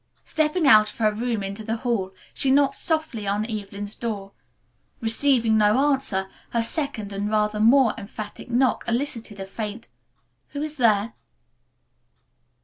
Stepping out of her room into the hall she knocked softly on Evelyn's door, receiving no answer. Her second and rather more emphatic knock elicited a faint, "Who is there?"